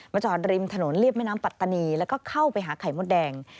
จอดริมถนนเรียบแม่น้ำปัตตานีแล้วก็เข้าไปหาไข่มดแดง